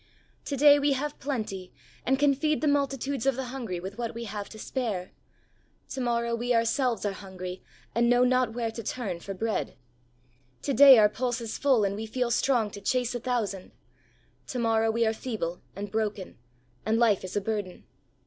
To day we have plenty and can feed the multitudes of the hungry with what we have to spare; to morrow we ourselves are hungry and know not where to turn for bread. 70 HEART TALKS ON HOLINESS. To day our pulse is full and we feel strong to chase a thousand ; to morrow we are feeble and broken and life is a burden.